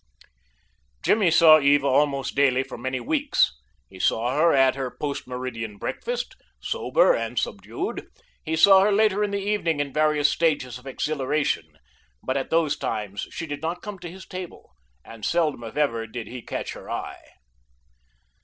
Jimmy saw Eva almost daily for many weeks. He saw her at her post meridian breakfast sober and subdued; he saw her later in the evening, in various stages of exhilaration, but at those times she did not come to his table and seldom if ever did he catch her eye.